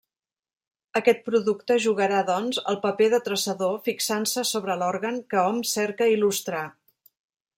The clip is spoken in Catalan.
Aquest producte jugarà, doncs, el paper de traçador fixant-se sobre l'òrgan que hom cerca il·lustrar.